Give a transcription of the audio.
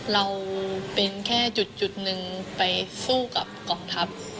เราเป็นแค่จุดหนึ่งไปสู้กับกองทัพ